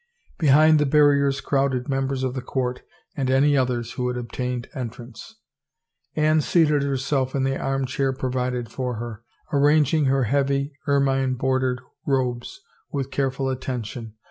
Behind the barriers crowded members of the court and any others who had obtained entrance. Anne seated herself in the armchair provided for her, arranging her heavy, ermine bordered robes with care ful attention.